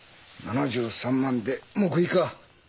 ７３万で黙秘か。